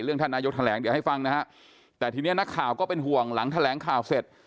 ท่านนายกแถลงเดี๋ยวให้ฟังนะฮะแต่ทีนี้นักข่าวก็เป็นห่วงหลังแถลงข่าวเสร็จ